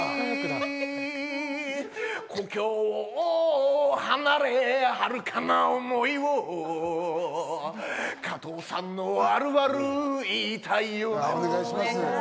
裏切りの言葉に、故郷を離れ、はるかな思いを、加藤さんのあるある言いたいよ。